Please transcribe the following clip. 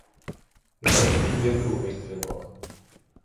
Нарешті б'є другий дзвінок.